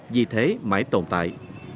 vì thế mãi tồn tại